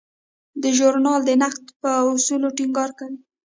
دا ژورنال د نقد په اصولو ټینګار کوي.